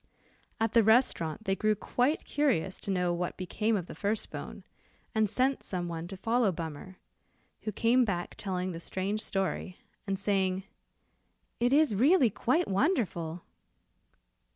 At the restaurant they grew quite curious to know what became of the first bone, and sent some one to follow Bummer, who came back telling the strange story, and saying, "it is really quite wonderful."